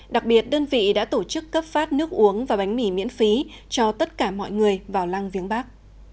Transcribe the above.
đặc biệt đơn vị đã tổ chức cấp phát nước uống và bánh mì miễn phí cho tất cả mọi người vào lăng viếng bắc